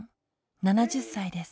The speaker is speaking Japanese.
７０歳です。